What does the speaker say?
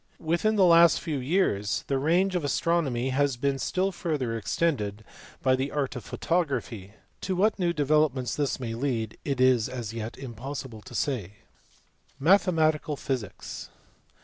Within the last few years the range of astronomy has been still further extended by the art of photography. To what new developments this may lead it is as yet impossible to say. MATHEMATICAL PHYSICS. 493 Mathematical Physics.